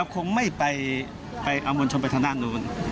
คงไม่ไปเอามวลชนไปทางด้านนู้น